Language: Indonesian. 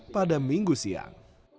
pada minggu siang